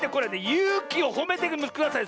ゆうきをほめてください。